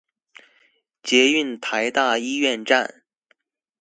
捷運臺大醫院站